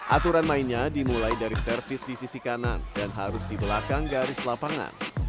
aturan mainnya dimulai dari servis di sisi kanan dan harus di belakang garis lapangan